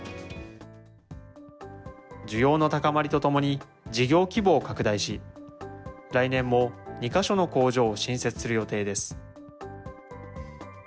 需要の高まりとともに、事業規模を拡大し、来年も２か所の工場を新設する予定です。